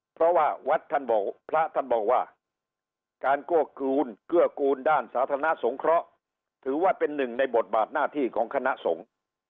เพราะว่าพระท่านบอกว่าการเกื้อกูลด้านสาธารณสงคระถือว่าเป็นหนึ่งในบทบาทหน้าที่ของคณะสงฆ์